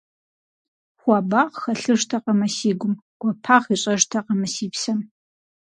Хуабагъ хэлъыжтэкъэ мы си гум, гуапагъ ищӀэжтэкъэ мы си псэм?